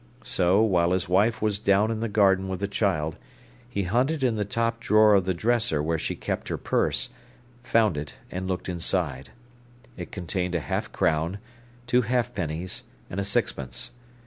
So, while his wife was down the garden with the child, he hunted in the top drawer of the dresser where she kept her purse, found it, and looked inside. It contained a half crown, two halfpennies, and a sixpence.